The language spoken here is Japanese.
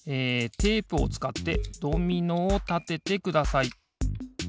テープをつかってドミノをたててください。